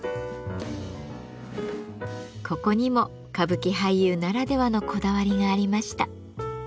ここにも歌舞伎俳優ならではのこだわりがありました。